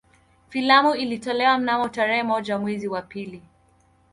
Filamu ilitolewa mnamo tarehe moja mwezi wa pili